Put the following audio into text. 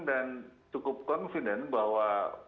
dan cukup confident bahwa